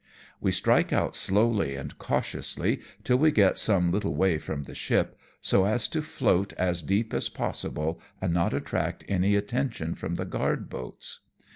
We strike out slowly and cautiously till we get some little way from the ship, so as to float as deep as possible NEALANCE AND I VISIT THE SHORE. 149 and not attract any attention from the guard boats.